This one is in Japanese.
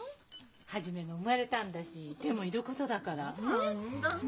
一も生まれたんだし手も要ることだからね？